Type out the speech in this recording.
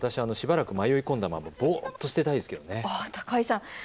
私はしばらく迷い込んだままぼーっとしていたいです。